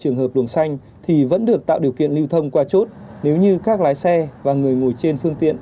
trường hợp luồng xanh thì vẫn được tạo điều kiện lưu thông qua chốt nếu như các lái xe và người ngồi trên phương tiện